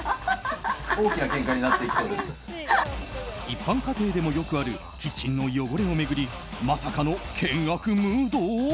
一般家庭でもよくあるキッチンの汚れを巡りまさかの険悪ムード？